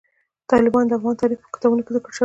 تالابونه د افغان تاریخ په کتابونو کې ذکر شوي دي.